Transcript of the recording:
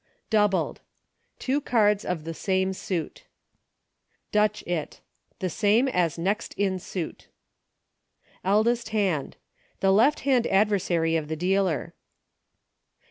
Doubled. Two cards of the same suit. Dutch It. The same as Next In Suit. Eldest Hand. The left hand adversary of the dealer.